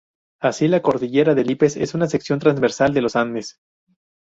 Así la Cordillera de Lípez es una sección transversal de los Andes.